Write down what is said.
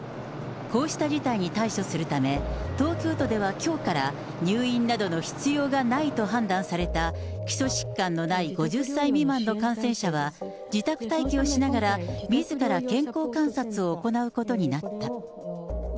こうした事態に対処するため、東京都ではきょうから、入院などの必要がないと判断された基礎疾患のない５０歳未満の感染者は、自宅待機をしながらみずから健康観察を行うことになった。